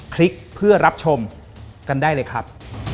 คลิกเพื่อรับชมกันได้เลยครับ